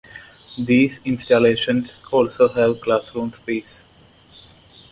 These installations also have classroom space.